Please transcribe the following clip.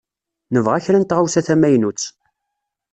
Nebɣa kra n tɣawsa tamaynutt.